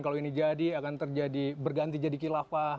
kalau ini jadi akan terjadi berganti jadi kilafah